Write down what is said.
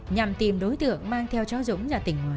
nhằm tìm đối tượng mang theo cháu dũng ra tỉnh ngoài